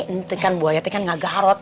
itu kan buaya tuh kan gak garot